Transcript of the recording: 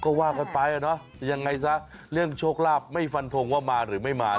ก็ว่ากันไปอ่ะเนอะยังไงซะเรื่องโชคลาภไม่ฟันทงว่ามาหรือไม่มา